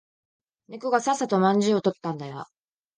猫がささっとまんじゅうを取ってったんだよ。